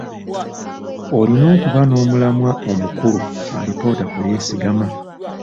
Olina okuba n’omulamwa omukulu alipoota kwe yeesigama.